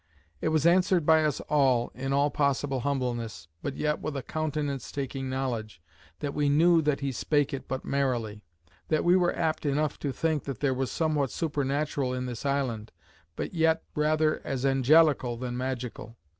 It was answered by us all, in all possible humbleness, but yet with a countenance taking knowledge, that we knew that he spake it but merrily, "That we were apt enough to think there was somewhat supernatural in this island; but yet rather as angelical than magical.